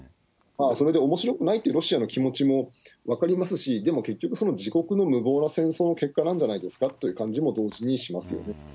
それでおもしろくないというロシアの気持ちも分かりますし、でも結局、自国の無謀の戦争の、無謀な結果なんじゃないですかという感じも同時にしますよね。